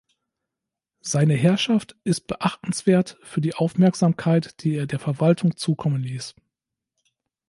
Seine Herrschaft ist beachtenswert für die Aufmerksamkeit die er der Verwaltung zukommen ließ.